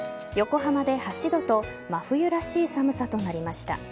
横浜で８度と真冬らしい寒さとなりました。